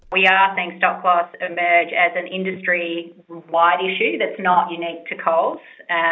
ada hal yang terkenal yang tidak unik untuk coals